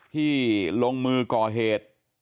ที่ลงมือก่อเหตุ